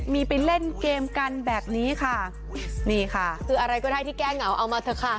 มีไปเล่นเกมกันแบบนี้ค่ะนี่ค่ะคืออะไรก็ได้ที่แก้เหงาเอามาเถอะค่ะ